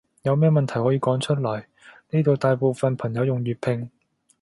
有咩問題可以講出來，呢度大部分朋友用粵拼